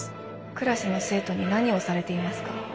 クラスの生徒に何をされていますか？